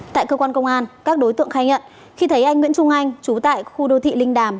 tại cơ quan công an các đối tượng khai nhận khi thấy anh nguyễn trung anh trú tại khu đô thị linh đàm